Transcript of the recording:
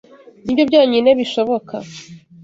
Nibyo byonyine bishoboka.